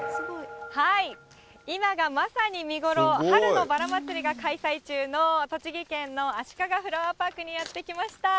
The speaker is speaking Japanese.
今がまさに見頃、春のバラまつりが開催中の栃木県の足利フラワーパークにやって来ました。